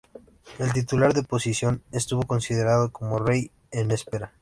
El titular de posición estuvo considerado como rey-en-espera.